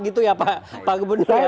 gitu ya pak gubernur ya